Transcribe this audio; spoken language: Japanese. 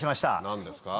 何ですか？